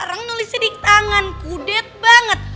orang nulisnya di tangan kudet banget